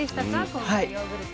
今回ヨーグルト。